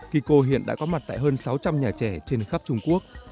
kiko hiện đã có mặt tại hơn sáu trăm linh nhà trẻ trên khắp trung quốc